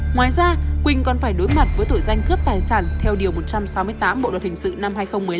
ngoài ra quỳnh còn phải đối mặt với tội danh cướp tài sản theo điều một trăm sáu mươi tám bộ luật hình sự năm hai nghìn một mươi năm